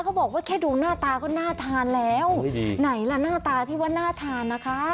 บอกว่าแค่ดูหน้าตาก็น่าทานแล้วไหนล่ะหน้าตาที่ว่าน่าทานนะคะ